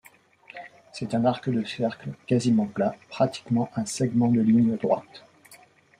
C'est un arc de cercle quasiment plat, pratiquement un segment de ligne droite.